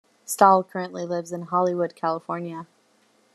Stahl currently lives in Hollywood, California.